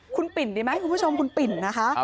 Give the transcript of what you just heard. คุณผู้ชมคุณปิ่นนะคะ